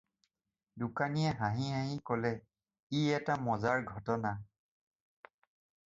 "দোকানীয়ে হাঁহি হাঁহি ক'লে- "ই এটা মজাৰ ঘটনা।"